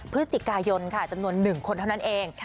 พฤศจิกายนค่ะจำนวน๑คนเท่านั้นเอง